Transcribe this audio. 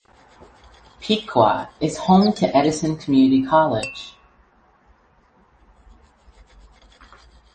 Piqua is home to Edison Community College.